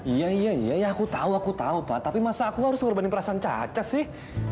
iya iya ya aku tahu aku tahu pak tapi masa aku harus mengorbanin perasaan caca sih